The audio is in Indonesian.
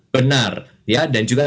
benar dan juga